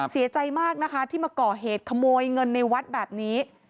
เสียใจมากนะคะที่มาก่อเหตุขโมยเงินในวัดแบบนี้